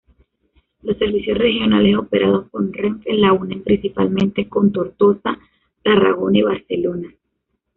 Los servicios regionales operados por Renfe la unen principalmente con Tortosa, Tarragona y Barcelona.